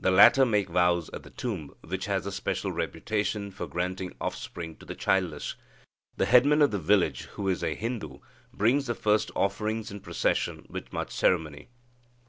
The latter make vows at the tomb, which has a special reputation for granting offspring to the childless. The headman of the village, who is a Hindu, brings the first offerings in procession with much ceremony.